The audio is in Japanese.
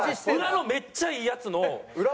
裏のめっちゃいいヤツの。